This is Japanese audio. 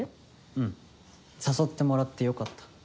うん誘ってもらってよかった。